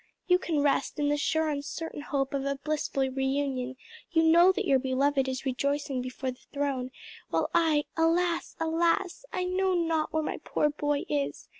You can rest in the sure and certain hope of a blissful reunion, you know that your beloved is rejoicing before the throne; while I alas, alas! I know not where my poor boy is.